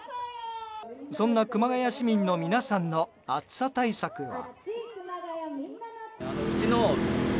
そんな熊谷市民の皆さんの暑さ対策は？